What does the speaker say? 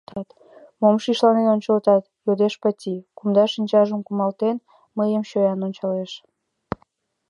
— Мом шишланен ончылтат? — йодеш Патай, кумда шинчажым кумалтен, мыйым чоян ончалеш.